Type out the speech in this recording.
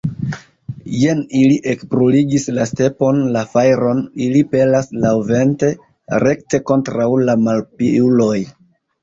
Jen ili ekbruligis la stepon, la fajron ili pelas laŭvente rekte kontraŭ la malpiuloj!